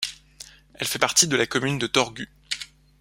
Elle fait partie de la commune de Torgu.